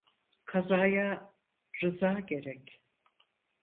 Kazaya rıza gerek.